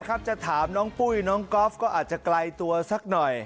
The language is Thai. ครับจะถามน้องปุ้ยน้องก๊อฟก็อาจจะไกลตัวสักหน่อย